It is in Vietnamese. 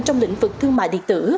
trong lĩnh vực thương mại điện tử